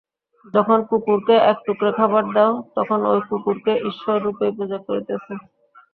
যখন কুকুরকে একটুকরা খাবার দাও, তখন ঐ কুকুরকে ঈশ্বররূপেই পূজা করিতেছ।